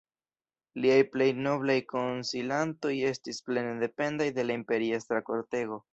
Liaj plej noblaj konsilantoj estis plene dependaj de la imperiestra kortego.